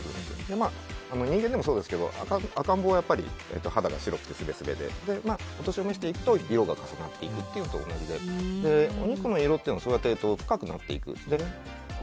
人間でもそうですけど、赤ん坊は肌が白くて、すべすべでお年を召していくと色が重なっていくのと同じでお肉の色は、そうやって深くなっていくんですね。